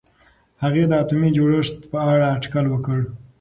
هغې د اتومي جوړښت په اړه اټکل وکړ.